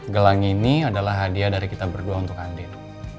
gelang ini adalah hadiah dari kita berdua untuk andin